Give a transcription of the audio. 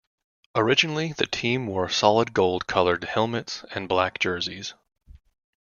Originally, the team wore solid gold-colored helmets and black jerseys.